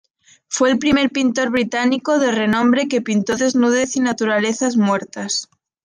Fue el primer pintor británico de renombre que pintó desnudez y naturalezas muertas.